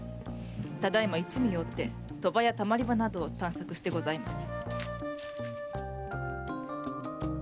ただいま一味を追って賭場や溜まり場を探索してございます。